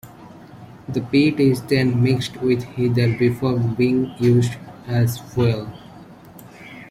The peat is then mixed with heather before being used as fuel.